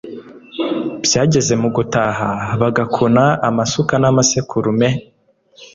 byageza mugutaha/ bagakuna a m asuka n'a masekuru me »